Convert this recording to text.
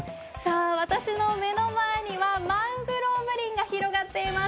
私の目の前にはマングローブ林が広がっています。